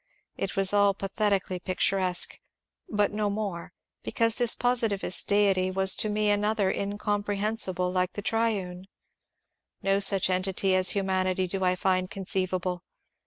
It was all pathetically picturesque ; but no more, because this positivist deity was to me another " Incomprehensible " like the triune. No such entity as Hu manity do I find conceivable.